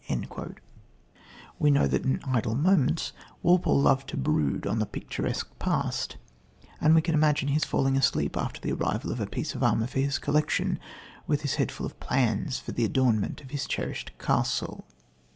" We know how in idle moments Walpole loved to brood on the picturesque past, and we can imagine his falling asleep, after the arrival of a piece of armour for his collection, with his head full of plans for the adornment of his cherished castle.